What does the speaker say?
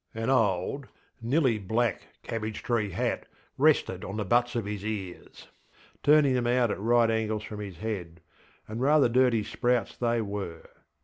An old, nearly black cabbage tree hat rested on the butts of his ears, turning them out at right angles from his head, and rather dirty sprouts they were.